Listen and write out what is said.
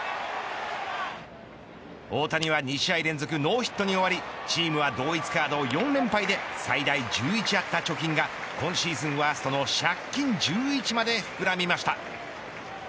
大谷は２試合連続ノーヒットに終わりチームは同一カード４連敗で最大１１あった貯金が今シーズンワーストの借金１１まで膨らみました。